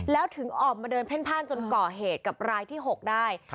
แล้วถึงออกมาเดินเพ่นพ่านจนก่อเหตุกับรายที่๖ได้